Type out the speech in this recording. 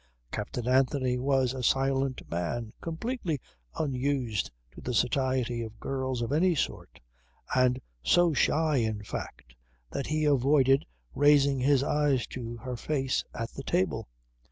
Captain Anthony was a silent man, completely unused to the society of girls of any sort and so shy in fact that he avoided raising his eyes to her face at the table.